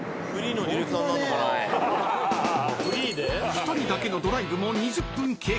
［２人だけのドライブも２０分経過］